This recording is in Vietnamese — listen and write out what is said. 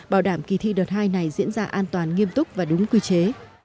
bảo đảm kỳ thi đợt hai này diễn ra an toàn nghiêm túc và đúng quy chế